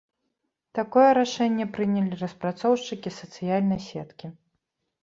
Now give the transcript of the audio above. Такое рашэнне прынялі распрацоўшчыкі сацыяльнай сеткі.